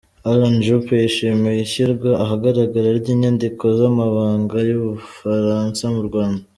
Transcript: Alain Juppé yishimiye ishyirwa ahagaragara ry’inyandiko z’amabanga y’u Bufaransa mu Rwanda.